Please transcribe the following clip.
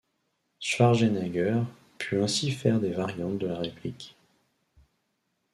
Schwarzenegger put ainsi faire des variantes de la réplique.